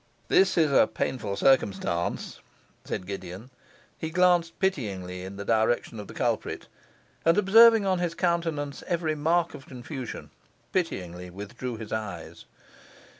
'That is a painful circumstance,' said Gideon; he glanced pityingly in the direction of the culprit, and, observing on his countenance every mark of confusion, pityingly withdrew his eyes.